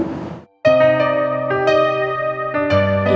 enggak ada nelfon kali